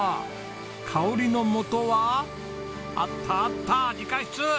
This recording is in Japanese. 香りのもとはあったあった理科室！